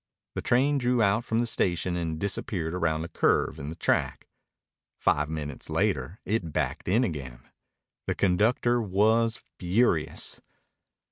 The train drew out from the station and disappeared around a curve in the track. Five minutes later it backed in again. The conductor was furious.